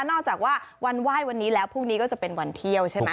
จากว่าวันไหว้วันนี้แล้วพรุ่งนี้ก็จะเป็นวันเที่ยวใช่ไหม